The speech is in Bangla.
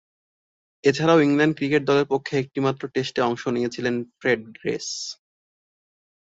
এছাড়াও ইংল্যান্ড ক্রিকেট দলের পক্ষে একটিমাত্র টেস্টে অংশ নিয়েছিলেন ফ্রেড গ্রেস।